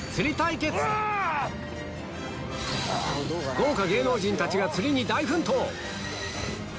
豪華芸能人たちが釣りに大奮闘！